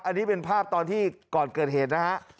อันนี้เป็นภาพตอนที่ก่อนเกิดเหตุนะฮะ